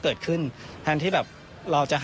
เกิดขึ้นแทนที่แบบเราจะให้กำลังใจกัน